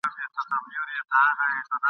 کله دي وران کړي زلزلې کله توپان وطنه ..